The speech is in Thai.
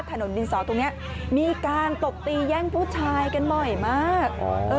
ถนนดินสอตรงนี้มีการตบตีแย่งผู้ชายกันบ่อยมาก